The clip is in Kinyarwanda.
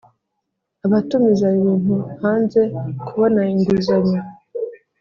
abatumiza ibintu hanze kubona inguzanyo